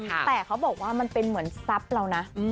แต่เขาบอกว่ามันเป็นเหมือนทรัพย์เรานะ